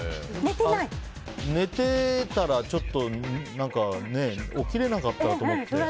寝ていたらちょっと起きれなかったらと思って。